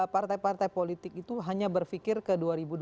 partai partai politik itu hanya berpikir ke dua ribu dua puluh